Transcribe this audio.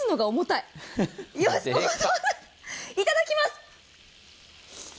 いただきます！